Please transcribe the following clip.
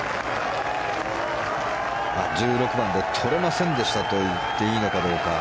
１６番で取れませんでしたと言っていいのかどうか。